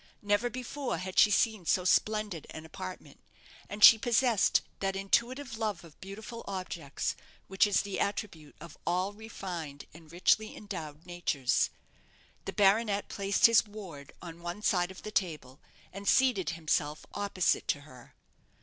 Never before had she seen so splendid an apartment: and she possessed that intuitive love of beautiful objects which is the attribute of all refined and richly endowed natures. The baronet placed his ward on one side of the table, and seated himself opposite to her.